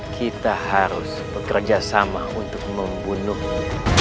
kita harus bekerjasama untuk membunuhmu